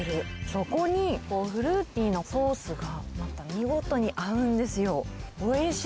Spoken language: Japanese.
そこに、フルーティーなソースがまた見事に合うんですよ。